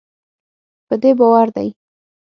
په دې باور دی